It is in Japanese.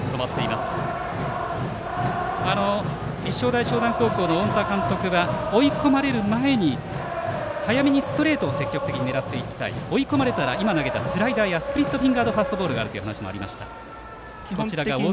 立正大淞南高校の太田監督は追い込まれる前に早めにストレートを積極的に狙っていきたい追い込まれたらスライダーやスプリットフィンガードファストボールがあるという話をしていました。